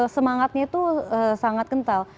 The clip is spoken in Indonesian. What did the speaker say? semangatnya itu sangat kental